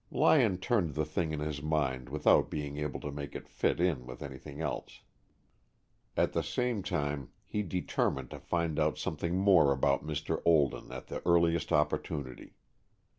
Lyon turned the thing in his mind without being able to make it fit in with anything else. At the same time he determined to find out something more about Mr. Olden at the earliest opportunity.